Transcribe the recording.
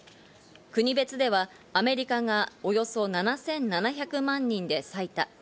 国別ではアメリカがおよそ７７００万人で最多。